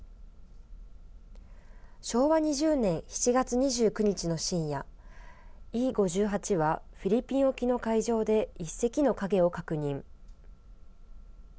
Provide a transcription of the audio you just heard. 昭和２０年７月２９日の深夜、伊５８はフィリピン沖の海上で１隻の影を確認。